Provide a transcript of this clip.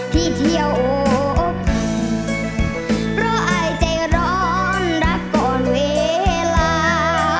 ที่เที่ยวเพราะอายใจร้อนรักก่อนเวลา